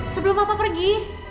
sebelum papa pergi